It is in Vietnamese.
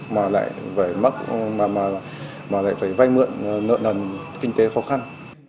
mà lại phải vay mượn nợ nần kinh tế khó khăn